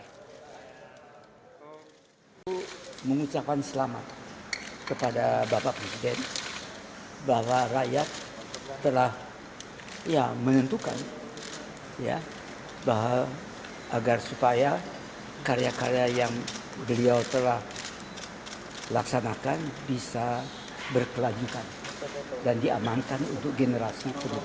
bapak presiden mengucapkan selamat kepada bapak presiden bahwa rakyat telah menentukan agar supaya karya karya yang beliau telah laksanakan bisa berkelanjukan dan diamankan untuk generasi kemudian